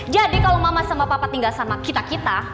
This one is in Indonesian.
jadi kalau mama sama bapak tinggal sama kita kita